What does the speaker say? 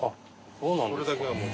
それだけはもう。